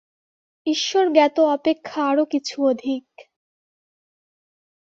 ঈশ্বর জ্ঞাত অপেক্ষা আরও কিছু অধিক।